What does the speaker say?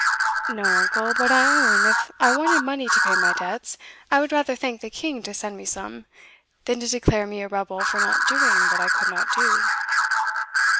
"No, uncle; but, I own, if I wanted money to pay my debts, I would rather thank the king to send me some, than to declare me a rebel for not doing what I could not do."